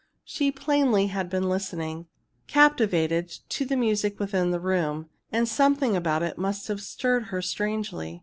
She plainly had been listening, captivated, to the music within the room, and something about it must have stirred her strangely.